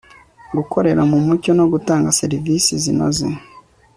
gukorera mu mucyo no gutanga serivisi zinoze